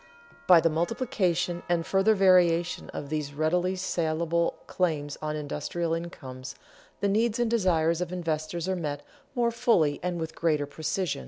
By the multiplication and further variation of these readily salable claims on industrial incomes, the needs and desires of investors are met more fully and with greater precision.